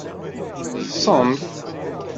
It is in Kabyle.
Ḍsemt!